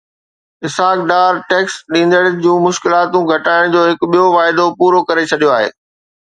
Ishaq Dar tax ڏيندڙن جون مشڪلاتون گهٽائڻ جو هڪ ٻيو واعدو پورو ڪري ڇڏيو